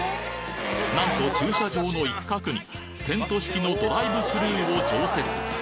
なんと駐車場の一角にテント式のドライブスルーを常設！